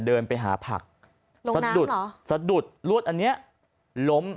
เดินไปหาผักสะดุดรวดอันเนี้ยล้ม